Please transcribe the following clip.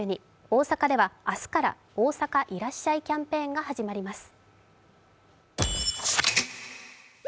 大阪では明日から、大阪いらっしゃいキャンペーンが始まります。